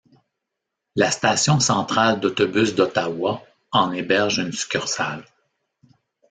La station Centrale d'Autobus d'Ottawa en héberge une succursale.